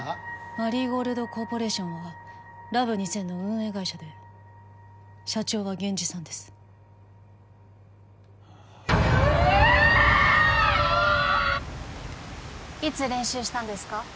マリーゴールドコーポレーションはラブ２０００の運営会社で社長はゲンジさんですいつ練習したんですか？